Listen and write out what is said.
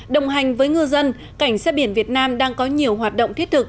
đồng hành với ngư dân cảnh sát biển việt nam đang có nhiều hoạt động thiết thực